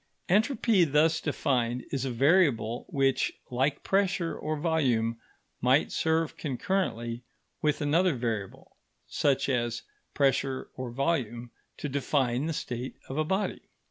Entropy, thus defined, is a variable which, like pressure or volume, might serve concurrently with another variable, such as pressure or volume, to define the state of a body.